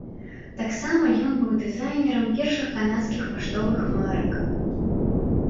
Таксама ён быў дызайнерам першых канадскіх паштовых марак.